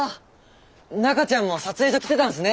中ちゃんも撮影所来てたんすね。